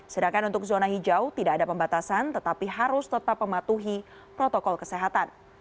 sedangkan untuk zona hijau tidak ada pembatasan tetapi harus tetap mematuhi protokol kesehatan